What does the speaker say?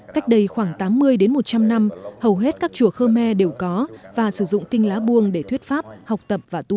cách đây khoảng tám mươi đến một trăm linh năm hầu hết các chùa khơ me đều có và sử dụng kinh lá buông để thuyết pháp học tập và tu dưỡng